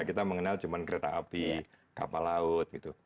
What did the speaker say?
kita mengenal cuma kereta api kapal laut gitu